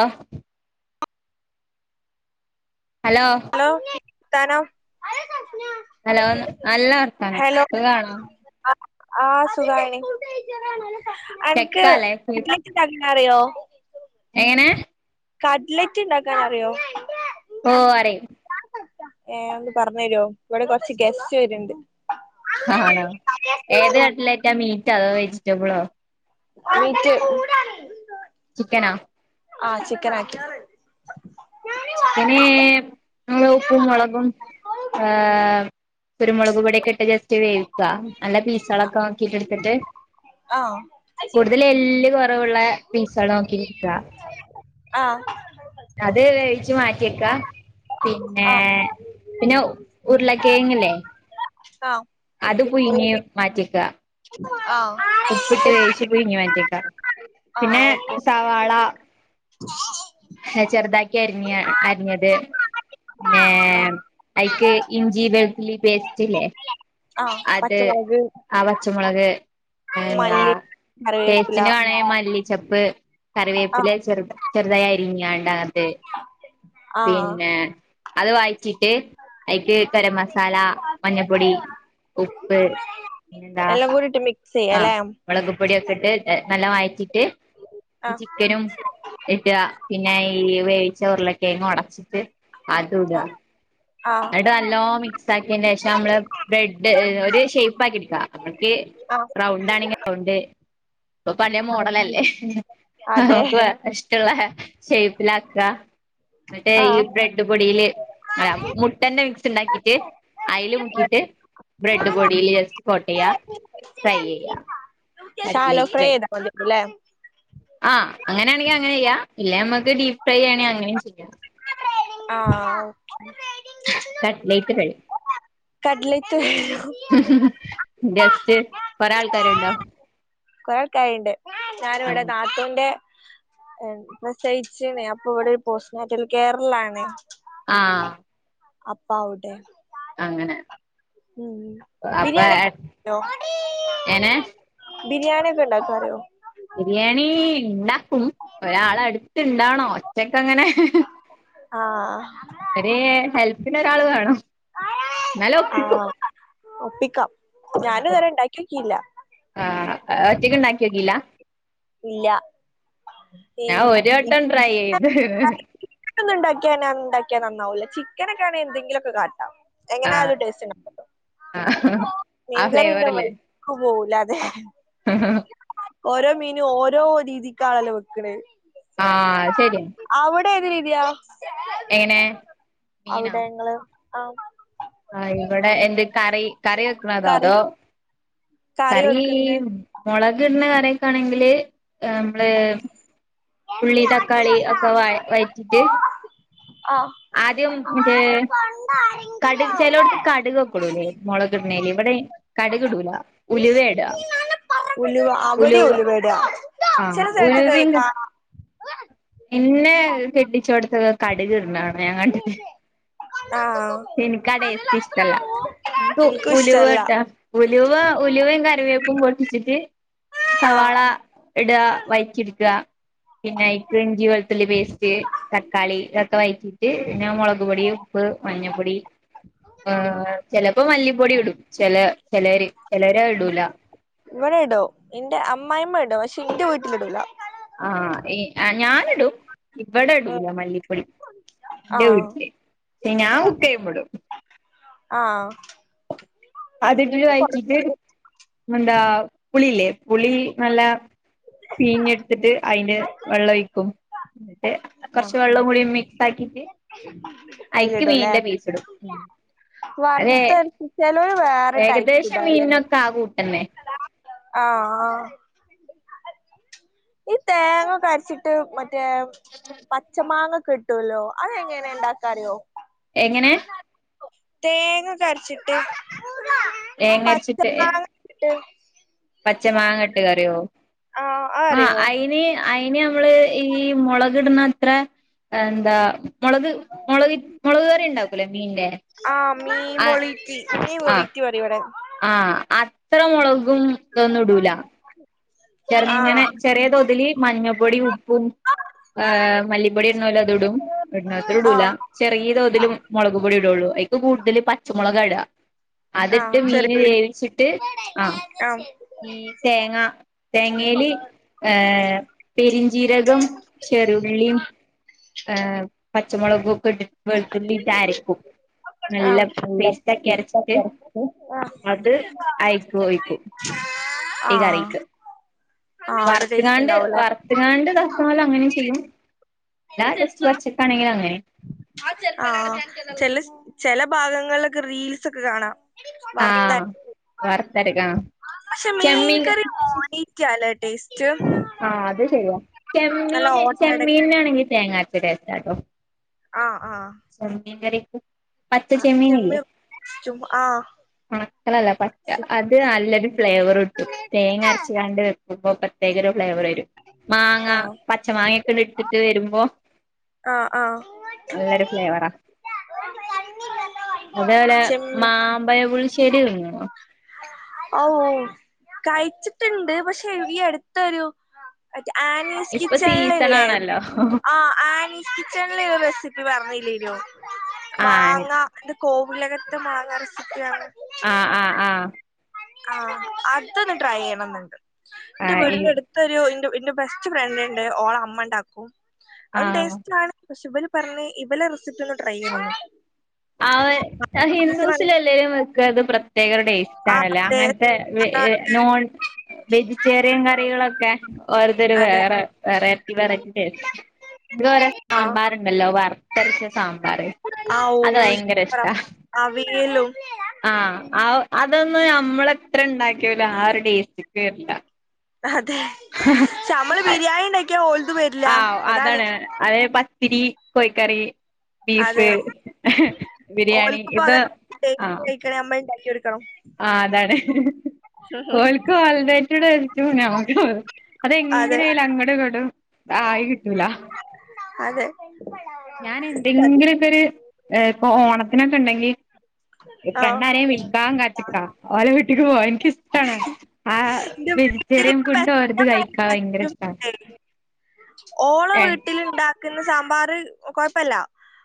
ആഹ് hello hello താനം hello നല്ല വർത്താനം സുഖാണോ ആ സുഖാണി അന്ക്ക് ചെക്കാല്ലേ [unintelligible] എങ്ങനെ കഡ്ലറ്റ് ഇണ്ടാക്കാൻ അറിയോ ഓഹ് അറിയ് ഏയ് ഒന്ന് പറഞ്ഞ് തരുവോ ഇവിടെ കൊറച്ച് ഗസ്റ്റ് വരിണ്ട് ആണോ ഏത് കട്ടലായിറ്റാ മീറ്റോ അതോ വെജിറ്റബിളോ മീറ്റ് ചിക്കനോ ആഹ് ചിക്കനാ ആക്കി ചിക്കന് നമ്മള് ഉപ്പും മുളകും ആഹ് കുരുമുളകുപൊടിക്കെട്ട് ജസ്റ്റ്- വേവിക്ക നല്ല പീസളൊക്കെ നോക്കിട്ട് എടുത്തിട്ട് ആഹ് കൂടുതൽ എല്ല് കൊറവുള്ള പീസകള് നോക്കിയെട്ക്കുക ആഹ് അത് വേവിച്ചു മാറ്റിയെക്കാ പിന്നെ ആ പിന്നെ ഉരുളക്കിഴങ്ങില്ലേ ആഹ് അത് പുയിങ്ങി മാറ്റിക്കാ ആഹ് പുഴങ്ങി മറ്റേക്കാ പിന്നെ സവാള [inaudible] ചെറുതാക്കി അരിഞ്ഞ് അരിഞ്ഞത് ആ ഏ ഐക്ക് ഇഞ്ചി വെളുത്തി പേസ്റ്റ്ല്ലേ ആഹ അത് പച്ചമൊളക് ആ പച്ചമുളക് എന്താ കറിവേപ്പില ടേസ്റ്റി വേണേ മല്ലിച്ചപ്പ് ആ കറിവേപ്പില ചെറു ചെറുതായ അരിഞ്ഞാണ്ട അതിനാത്ത് ആ പിന്നെ അത് വായിച്ചിട്ട് ഐക്ക് ഗരം മസാല മഞ്ഞപ്പൊടി ഉപ്പ് എന്താ ന്നിട്ട് മിക്സി ആഹ മുളക്പൊടി ഒക്കെ ഇട്ട് നല്ല വഴച്ചിട്ട് ആഹ് ചിക്കനും ഇടുക പിന്നെ ഈ വേവിച്ച ഉരുളക്കിഴങ്ങ് ഒടച്ചിട്ട് അതൂടാ ആഹ് ആഹ് എന്നിട്ട് നല്ലോ മിക്സ് ആക്കിനെ ശേഷം നമ്മള് ബ്രെഡ് ഒരു ഷേപ്പ് ആക്കി എടുക്ക നമ്മക്ക് ആഹ് റൗണ്ട് ആണെങ്കിൽ റൗണ്ട് ഇപ്പൊ പലെ മോഡലല്ലേ അതെ അതെ നമുക്ക് മ ഷേപ്പിലാക്കുക ന്നിട്ട് ഈ ആഹ് ബ്രെഡ് പൊടില് അല്ല മു മുട്ടൻ്റെ മിക്സ് ഇണ്ടാക്കിട്ട് അയിൽ മുക്കിയിട്ട് ബ്രെഡ് പൊടിൽ ജസ്റ്റ് കെട്ട യ ഫ്രൈ ചെയ്യാം ശാലോ കട്ലേറ്റ് ഫ്രൈ റെഡി ചെയ്താ മതിയാവും ല്ലേ ആഹ അങ്ങനാണെങ്കിൽ അങ്ങനെയ്യാം ഇല്ല നമുക്ക് ഡീപ്പ് ഫ്രൈ ചെയ്യണങ്കിൽ അങ്ങനെയും ചെയ്യാം ആഹ് കട്ലേറ്റ് റെഡി [unintelligible] ഗസ്റ്റ് കുറെ ആൾക്കാരുണ്ടോ കുറെ ആൾക്കാറിണ്ട് ഞാന് ഇവിടെ നാത്തുന്റെ പ്രസവിച്ചിണ് അപ്പൊ ഇവിടെ ഒരു പോസ്റ്റ് മോട്ടില് കെയർ ലാണ് ആഹ് അപ്പവിടെ അങ്ങനെ ഉം അപ്പൊ ബിരിയാണി ക്കെ എനെ ബിരിയാണി ഒക്കെ ഉണ്ടാക്കറിയോ ബിരിയാണി ഉണ്ടാക്കും ഒരാള അടുത്ത്ണ്ടാകണോ ഒറ്റക്ക അങ്ങനെ ആഹ് ഏ ഹെൽപ്പിന് ഒരാള് വേണം എന്നാലും ആഹ ഒപ്പിക്കും ഒപ്പിക്കാം ഞാനും തരെ ഉണ്ടാക്കി നോക്കിയില്ല ആഹ ഒറ്റക്കുണ്ടാക്കിയിട്ടില്ല ഇല്ല ഞാൻ ഒരു [unintelligible] വട്ടം ട്രൈ ചെയ്ത് ഒറ്റയ്ക്ക് ഉണ്ടാക്കിയണ്ടാക്കിയ നന്നാവൂല ചിക്കന് ഒക്കെ ആണെങ്കി എന്തങ്കിലുമൊക്കെ കാട്ടാം ആഹ് എങ്ങനാലും ടേസ്റ്റ് ആഹ് ആ മീൻ കറിന്റെ ഫ്ലേവറില്ലേ വഴിക്ക് പോവൂല അതെ ഓരോ മീനും ഓരോ രീതിക്കാണല്ലോ വെക്കണേ ആ ശരി അവിടെ ഏത് രീതിയാ എങ്ങനെ അവിടെ ങ്ങള് ആ ആഹ ഇവിടെ എന്ത് കറി കറി വെക്കണതോ കറി അതോ കറി മുളക് ഇടുന്ന കറിയൊക്കെ ആണെങ്കില് നമ്മള് ഉള്ളി തക്കാളി ഒക്കെ വ വഴറ്റിട്ട് ആഹ ആദ്യം മറ്റേ [inaudible] കടു ചിലവിടത്ത് കടുകൊക്കെ ഇടൂലേ മുളകിടുന്നേല് ഇവിടെ കടുക് ഇടൂല ഉലുവ ഇടുക ഉലുവ അവിടെയാ ഉലുവിടാ ചില ആഹ് സ്ഥലത്തൊക്കെ ക്ക ഇന്നെ കെട്ടിച്ചോടത്തൊ കടുകിടുന്നതാണ് ഞാൻ കണ്ടത് ഹ് ആഹ് എനിക്കാ ടേസ്റ്റ് ഇഷ്ടല്ല ന്ക്ക് എനിക്കും ഇഷ്ടല്ല ഉലുവാട്ടാ ഉലുവ ഉലുവയും കറിവേപ്പും പൊട്ടിച്ചിട്ട് ആഹ് സവാള ഇടുക വഴറ്റിയെടുക്കുക പിന്നെ അയിക്ക് ഇഞ്ചി വെളുത്തുള്ളി പേസ്റ്റ് തക്കാളി ഇതൊക്കെ വഴറ്റിട്ട് പിന്നെ മുളക് പൊടിയും പ്പ് മഞ്ഞപ്പൊടി ചിലപ്പോ മല്ലിപ്പൊടി ഇടും ചില ചിലര് ചിലോരത്ടൂല ഇവിടെ ഇടു എന്റെ അമ്മായിമ്മ ഇടുംപക്ഷെ ഇന്റെ വീട്ടിലിടൂല ആഈ അ ഞാനിടും ഇബടെ ഇടൂല മല്ലിപ്പൊടി - എന്റെ ആഹ് വീട്ടില് പെ ഞാൻ കുക്കയുമ്പടും ആഹ് അതിട്ടിട്ട് എന്നിട്ട് കൊറ വഴിറ്റിട്ട് എന്താ പുളില്ലേ പുളി നല്ല പീഞ്ഞെടുത്തിട്ട് അയിന്റെ വെള്ളൊ ഴിക്കും ട്ട് ആഹ് കുറച്ച് വെള്ളം കൂടി മിക്സാക്കിട്ട് അയിക്ക് മീന്റെ പീസ്ടും ഉം വറുത്തറച് ചേലോൽ വേറെ ടൈപ്പ് ഏകദേശം ഇടാ അല്ലേ മീനിനൊക്കെ ആ കൂട്ടന്നെ ആഹ് ആഹ് ഈ തേങ്ങൊക്കെ അരച്ചിട്ട് മറ്റേ പച്ച മാങ്ങക്കെ ഇട്ട ട്ടൂല്ലോ അതെങ്ങനെണ്ടാക്കാറിയോ എങ്ങനെ തേങ്ങക്കെ അരച്ചിട്ട് പച്ചമാങ്ങ ട്ട് പച്ച മാങ്ങട്ട് കറിയോ ഹ ഒ ഇനി അയിന് നമ്മള് ഈ മുളകിടുന്ന ത്ര എന്താ മൊളക് മൊളക് മൊളക് കറി ണ്ടാക്കൂലെ മീന്റെ.. ആഹ മീ ആ മൊളീറ്റി മീ മൊളിറ്റി പറിഇ വടെ. ആഹ അത്ര മൊളകുംതൊന്നും ടൂല. ആഹ് ചെർങ്ങനെ ചെറിയ തോതില് മഞ്ഞപ്പൊടിം ഉപ്പും ആഹ് മല്ലിപ്പൊടിട് ണോലത്ടും ഇടനതോല് ടുല. ആഹ് ചെറിയ തോതിലും മൊളക് പൊടി ഇടള്ളു അയ്ക്ക് കൂടുതല് പച്ചമൊളകാ ടാ. ആഹ് അതിട്ട് മീന് ചെറിയുള്ളി വേവിച്ചിട്ട് ആഹ ആഹ് ഈ തേങ്ങ തേങ്ങേല് ഏ പെരിഞ്ചീരകം ചെറിയുള്ളീം പച്ചമൊളകും ഒക്കെട്ട്ട്ട് വെളുത്തുള്ളിട്ടരക്കും. അത് അയിക്ക് ഒഴിക്കും [unintelligible] ആഹ്. ആഹ് അത് ടേസ്റ്റ് വറുത്ത്ങ്ങാണ്ട് ഉണ്ടാവൂലേ വറുത്ത്ങ്ങാണ്ട്ത ല ങ്ങനെ ചെയ്യും ല്ല ജസ്റ്റ് പച്ചക്കാ ണെങ്കി അങ്ങനെ. ആഹ് ചെല ചെല ഭാഗങ്ങളിലൊക്കെ റീൽസൊക്കെ കാണാ. വർത്ത ആഹ് വറുത്തരക്കാ പഷെ ചെമ്മീൻ മീൻകറി റ്റാല ട്ടേസ് റ്റ് ആ അത് ശെരിയാ ചെമ്മീന് ഓട്ടടക്ക് ചെമ്മീനിനാണെങ്കി തേങ്ങാര്ച്ച ടെ സ്റ്റാട്ടോ. ആ ആ. ആ ചെമ്മീകറിക്കും പച്ച ചെമ്മീനില്ലേ? ചെമ്മീൻ ചും ആഹ്. ഒണക്കല്ല പച്ച അത് അല്ലൊരു ഫ്ലേവർ കിട്ടും തേങ്ങരച്ച് [unintelligible] വെക്കുമ്പോ പെത്യേക ഒര് ഫ്ലവറ് രും മാങ്ങാ ആഹ് പ ച്ച മാങ്ങ ഓക്കെ ഇട്ടിട്ട് വെരുമ്പോ ആഹ ആഹ അതോലെ മാമ്പയപുളിശ്ശേരി തിന്ന്ണോ? ഔ കഴിച്ചിട്ട്ണ്ട് പക്ഷെ ഈ അടുത്തൊരു ആക് ആനീസ് ഇപ്പൊ കിച്ചൺ സീസൺ ള്ള്ല്ലെ ആണല്ലോ ആ ആനി കിച്ചൺ ഒരു റെസിപ്പി പർണീല്ലേനോ ആണ് മാങ്ങ എന്ത് കോവിലകത്തെ മാങ്ങ റെസിപ്പി ആണ് ആഹ് ആഹ് ആഹ ആഹ് അതൊന്ന് ട്രൈയ്യണണ്ട് ന്റെ ആഹ് ഈ വീടിന്റെ അടു തൊരു ന്റെ ന്റെ ബെസ്റ്റ് ഫ്രണ്ട്ണ്ട് ഓള അമ്മണ്ടാക്കും അതും ആഹ് ടെസ്റ്റ്‌ ആണ് പക്ഷെ ഇവര് പറിണേ ഇവലെ റെസിപ്പി ഒന്ന് ട്രൈ ചെയ്യണം. അവ ഹിന്ദൂസിലെല്ലാരും വെക്ക അത് പ്രത്യേകൊരു ടേസ് സ്റ്റ് ആ ആണല്ലേ അതെ അങ്ങൻത്തെ വെ അതെ ഏ നോൺ വെജിറ്റേറിയൻ കറികളൊക്കെ ഓര്തൊരു അതെ വേറ വെറൈറ്റി വെറൈറ്റി ഇത് രോ ആ സാമ്പാറ്ണ്ടല്ലോ വറ്ത്തരച്ച സാമ്പാറ്. ഔ അത് ഭയങ്കര സൂപ്പറാ അവിയലും ആഹ ആഹ് അതൊന്നും ഞമ്മളെത്ര ണ്ടാക്കിലു ആ ഒരു ടെസ്റ്റിക്ക് വരില്ല അതെ. ഞമ്മള് ബിരിയാണിണ്ടാക്ക്യ ഓൽതു വെ ആഹ് അതാണ് അത് പത്തിരി കോയിക്കറി ബീഫ് അതെ ബിരിയാണി ഓൽക്കിപ്പോ ഇത് അത ആഹ്. [unintelligible] നമ്മൾ ഉണ്ടാക്കിടുക്കണം. ആഹ് അതാണ് ഓൽക്ക് [unintelligible] [unintelligible] അതെ അതെങ്ങനെ ആയലും അങ്ങടും ഇങ്ങടും ആയി കിട്ടൂല. അതെ. ഞാന് അത് എന്തെങ്കിലുക്കൊര് ഏ ഇപ്പൊ ഓണത്തിനൊക്കെണ്ടെങ്കി ഈ ആഹ് പെണ്ണാരേം വിളിക്കാൻ കാത്തിക്കാ ഓലെ വീട്ടിക്ക് പോവാ എനിക്കിഷ്ടാണ് ആ ന്റെ വെജിറ്റേറിയൻ ഫുണ്ട് ഒര്ന്ന് കയിക്കാൻ ഭയങ്കര ഇഷ്ടണ് ഓണ വീട്ടിലുണ്ടാ ക്കുന്ന സാമ്പാർ കുഴപ്പില്ല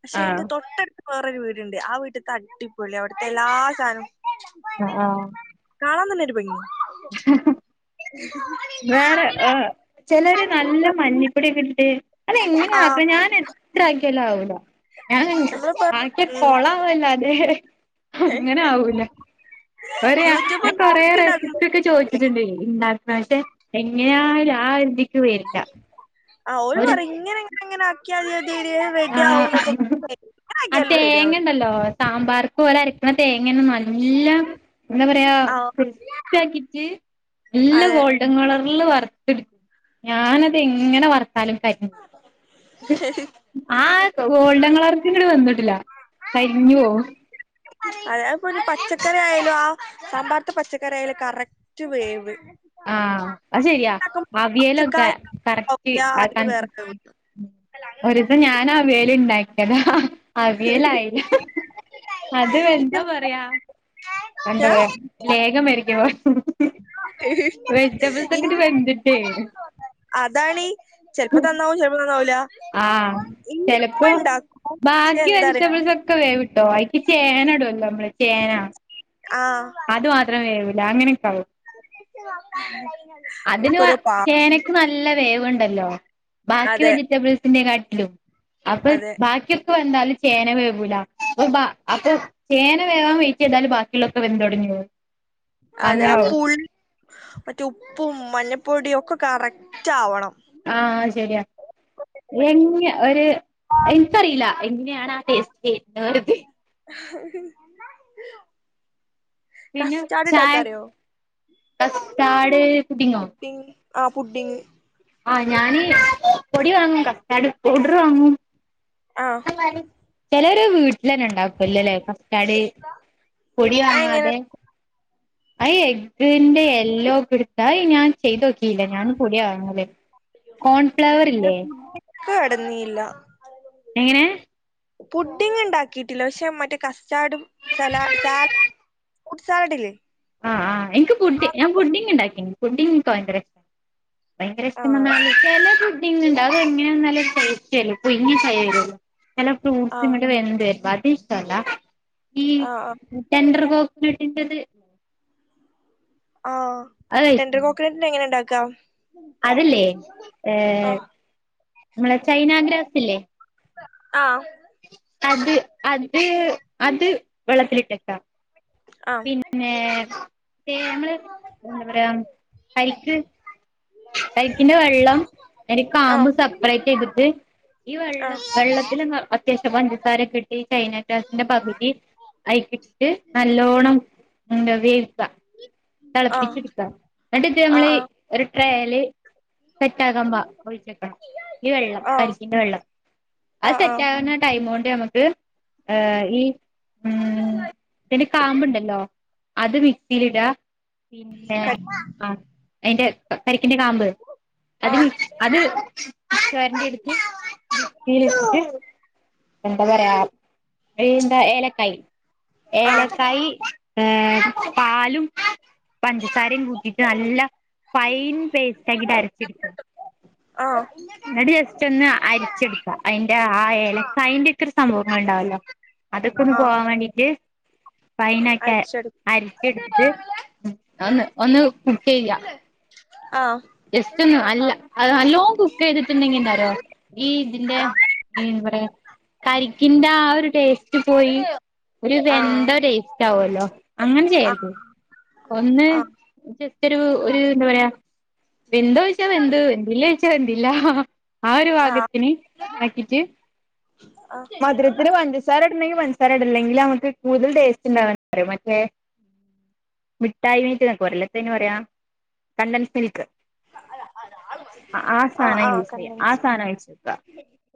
പക്ഷെ അതിന്റെ ആഹ് തൊട്ടടുത്ത് വേറൊരു വീടുണ്ട് ആ വീട്ടത്തെ അടി പൊളിയാണ് അവിടുത്തെ എല്ലാ സാനു ആഹ് ആഹ കാണാ തന്നെ ഒരു ഭംഗി ഹ്മ് വേറെ ചിലര് നല്ല മഞ്ഞിപ്പൊടിയൊക്കെ ഇട്ടിട്ട് അത് എങ്ങനെ ആഹ് ആക്ക ഞാൻ എത്ര ആക്കിയല് ആവുല്ല ഞാൻ നമ്മളിപ്പോ ആക്കിയ ഉം കൊള ആവല്ലാതെ അങ്ങനെ ആവൂല ഒരയാ യൂട്യൂബ് ഞാൻ കൊറെേ നോക്കിണ്ടാക്കുമ്പോ റെസിപ്പിയ ഒക്കെ ചോദിച്ചിട്ടുണ്ട ഉണ്ടാക്കന്ന എങ്ങനെയ ആ ഒരു ആ ഇതിക്ക് വരില്ല ആഹ് ഓര് ഒരു പറയും ഇങ്ങനെങ്ങെങ്ങനെ ആക്കിയാമതി അത് റെഡിയാകും ആഹ് എന്നൊക്കെ ആ തേങ്ങ ഉണ്ടല്ലോ സാമ്പാർക്ക് ഒര് അരക്കുന്ന തേങ്ങ ന ല്ല എന്താ പറയാ ആഹ് [unintelligible] ആക്കിട്ട് നല്ല അതെ ഗോ ൾഡൻ കളറിൽ വറുത്ത്ട്ത് ഞാനത് എങ്ങനെ വറുത്താലും കരിഞ് ആ ഗോൾഡൻ കളർത്ക്ക്‌ വന്നിട്ടില്ല കരിഞ്ഞു പോവും അതായത് ഇപ്പോ പച്ചക്കറി ആയാലും ആ സാമ്പർതെ പച്ചക്കറി ആയാലും കറക് ന്റ് വേവ് ആഹ അത് ശെരിയാ ഉണ്ടാക്കുമ്പോ അവിയലൊക്കെ പച്ചക്കായ കറക്റ്റ് ആവൂല ആ അതില് വേറെ വേവ് ഒരിസം ഞാനും അവിയൽ ഇണ്ടാക് അവിയലായില്ല ഇത് അതെന്താ പറയാ എന്താ ഏ? പറയാ ലേഖം [unintelligible] വെജിറ്റബിൾസ് ഒക്കെ ഇട്ട് വെന്തിട്ടേ അതാണി ചെലപ്പോ നന്നാവും ചെലപ്പോ നന്നാവൂല ആഹ് ഇന്റെ ചിലപ്പോ ഉമ്മ ഇണ്ടാക്കും പക്ഷെ ബാക്കി എന്താറിയോ വെജിറ്റബിൾസ് ഒ ക്കെ വേവ്ട്ടോ അയ്ക്ക് ചേന ഇടല്ലോ നമ്മള് ചേന ആഹ് അത് മാത്രം വേവൂല അങ്ങനെക്കാവും അതിന് എനിക്കൊരു പാ ചേന നല്ല വേവൂണ്ടല്ലോ ബാക്കി അതെ വെജിറ്റബിൾസിന് കാട്ടിലും അപ്പൊ അതെ ബാക്കി വെന്താലും ചേന വേവൂല അ അപ്പൊ ചേന വേവാൻ വേറ്റി ചെയ്താലും ബാക്കിയുള്ള വെന്തൊടഞ്ഞ് പോകും അതെ ആ പുൾ മറ്റേ ഉപ്പും മഞ്ഞപ്പൊടിയും ഒക്കെ കറക്ടാവണം ആഹ് ശരിയാ പറ്റുള്ളൂ എങേ ഒരു എനിക്കറിയില്ല എങ്ങനെയാണ് ആ ടേസ്റ്റ് പിന്നെ കസ്റ്റാർഡ് ചായ ഇണ്ടാക്കാൻ അറിയോ കസ്റ്റാർഡ് പുഡിങ്ങോ പുഡിങ് ആ പുഡിങ് ആഹ് ഞാന് പൊടി വാങ്ങും കസ്റ്റാഡ് പൗഡർ വാങ്ങും ആഹ് ചിലര് വീട്ടിൽന്നെ ഇണ്ടാക്കുവല്ലേ കസ്റ്റാഡ് പൊടി വാങ്ങാ അതെങ്ങനെ ആ എഗ്ഗിന്റെ എല്ലോ കൊടുത് അയ് ഞാൻ ചെയ്ത് നോക്കില്ല ഞാനും പൊടിയാ വാങ്ങല് കോൺഫ്ലവർ ഇല്ലേ പുഡിങ് കടന്നില്ല എങ്ങനെ ഫുഡിങ്ങ് ഇണ്ടാക്കിട്ടില്ല പക്ഷെ മറ്റേ കസ്റ്റാർഡും സല സ ഫ്രൂട്ട് സലാഡ് ഇല്ലേ ആഹ് ആഹ് എനിക്ക് പുഡ്ഡിംഗ് ഞാൻ പുഡിംങ് ഉണ്ടാക്കിന്നു പുഡിങ് എനിക്ക് ഭയങ്കര ഭയങ്കര ആഹ് ഇഷ്ടംന്നാല് ചെല പുഡിംങ് ഇണ്ട് എങ്ങനെയെന്നാല് ടേസ്റ്റ് ചെലപ്പോ [unintelligible] ചെല ഫ്രൂട്ട്സും ആഹ് ഇങ്ങട്ട് വര്ണ്‌ണ്ട് [unintelligible] ഇഷ്ടല്ല ആഹ് ആഹ് ടെൻഡറ് കോഫി [unintelligible] ആഹ് അത് ടെൻഡർ കഴിച്ചിട്ടുണ്ടോ കോക്കനട്ടിൻ്റെ എങ്ങനെ ഇണ്ടാക്കാ അതില്ലേ ഏഹ് നമ്മള ചൈന ഗ്രാസ് ഇല്ലേ ആഹ് അത് അത് അത് വെള്ളത്തിലിട്ട് പിൻ ആഹ് പിന്നേ തേ നമ്മള് എന്താ പറയാ കരിക്ക് കരിക്കിന്റെ വെള്ളം അതിൻ്റെ കാമ്പ് ആഹ് സപ്പറേറ്റ് എടുത്ത് ഈ വെള്ള ആഹ് വെള്ളത്തിലിന്ന് അത്യാവശ്യം ആഹ് പഞ്ചസാരക്കെ ഇട്ട് ചൈനാ ഗ്രാസിന്റെ പകുതി അയിക്കിട്ട് നല്ലോണം എന്താ വേവിക്കാ ആഹ് തെളപ്പിച്ചെടുക്കാം എന്നിട്ട് നമ്മളീ ആഹ് ഒരു ട്രേയ്‌ല് സെറ്റാകാൻ പാ ഒഴിച്ച് വെക്കണം ഈ വെള്ളം ആഹ് കരിക്കിന്റെ വെള്ളം അത് ആഹ് ആഹ് സെറ്റാകണ ടൈമോണ്ട് നമ്മക്ക് ഏഹ് ഈ ഉം പിന്നെ ഈ കാമ്പുണ്ടല്ലോ അത് മിക്സീല്ട്കാ പിന്നെ ആ അയ്ന്റെ ക കരിക്കിന്റെ കാമ്പ് അതിന് ആഹ് അത് ചൊരണ്ടി എടുത്ത് മിക്സീലിട്ടിട്ട് എന്താ പറയാ ഏന്താ ഏലക്കായ് ആഹ് ഏലക്കായ് ഏഹ് പാലും പഞ്ചസാരേം കൂട്ടീട്ട് നല്ല ഫൈൻ പേസ്റ്റ് ആക്കീട്ട് അരച്ചെട്ക്കാ. ആഹ് എന്നിട്ട് ജസ്റ്റ് ഒന്ന് അരിച്ചെടുക്കാം അയിന്റെ ആഹാ ഏല- അയിന്റെക്കൊര് സംഭവങ്ങൾ ഉണ്ടാവല്ലോ, അതൊക്കെ ഒന്ന് ആഹ് പോവാൻ വേണ്ടീട്ട്. ഫൈനാക്കിയേ അടിച്ചെടുക്കും അരച്ചെടുത്തിട്ട്- ഒന്ന് ഒന്ന് കുക്ക് ചെയ്യുക. ആഹാ. ജസ്‌റ്റൊന്ന് അല്ല, അത് നല്ലോം കുക്ക് ചെയ്തിട്ടുണ്ടെങ്കി എന്താ- അറിയോ ഈ ഇതിന്റെ- ഈന്ന് പറയാ, കരിക്കിന്റെ ആഹാ ഒരു ടേസ്റ്റ്. റ്റ് പോയി ഒരു ആഹ് വെന്ത ടേസ്റ്റ്- ആവോല്ലോ അങ്ങനെ ആഹ് ചെയ്യരുത്. ആഹ് ഒന്ന്- ജസ്‌റ്റൊരു ഒര് എന്താ പറയാ? വെന്തോ ചോദിച്ചാ, വെന്തു, വെന്തില്ലേ ചോദിച്ചാ, വെന്തില്ല. ആ ഒരു ആഹ് പാകത്തിന് ആക്കിട്ട് ആഹ് മധുരത്തിന് പഞ്ചസ- സാര ഇട്ടിട്ടുണ്ടെങ്കി പൻസാര- ഇട്‌ണില്ലങ്കില് നമ്മക്ക് കൂടുതൽ- ടേസ്റ്റ് ഉണ്ടാവാൻ [unintelligible] പക്ഷെ. മിഠായി മേറ്റ് നിങ്ങക്കു അറിയൂലേ, എത്തേന് പറയാം കണ്ടൻസ്ഡ് മിൽക്ക്. അ, ആ ആഹ് സാധനം ആഹ് യൂസ് ചെയ്യാ, ആ കണ്ടൻസ്ഡ് സാധനം വേടിച്ച് വെക്കാ.